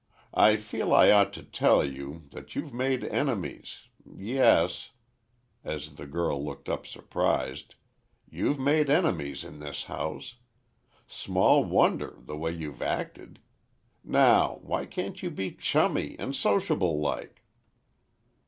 I feel I ought to tell you, that you've enemies—yes," as the girl looked up surprised, "you've made enemies in this house. Small wonder—the way you've acted! Now, why can't you be chummy and sociable like?"